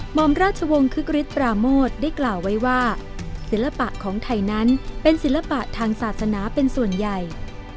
อมราชวงศ์คึกฤทธปราโมทได้กล่าวไว้ว่าศิลปะของไทยนั้นเป็นศิลปะทางศาสนาเป็นส่วนใหญ่